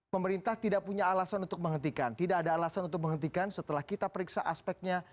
pemerintah tidak punya alasan untuk menghentikan tidak ada alasan untuk menghentikan setelah kita periksa aspeknya